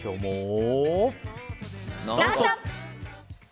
「ノンストップ！」。